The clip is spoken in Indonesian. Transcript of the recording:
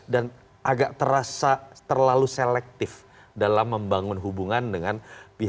dan agak terasa terlalu selektif dalam membangun hubungan dengan pihak pihak